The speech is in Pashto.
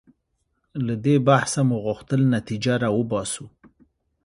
له دې بحثه مو غوښتل نتیجه راوباسو.